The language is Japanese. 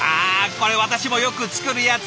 これ私もよく作るやつ！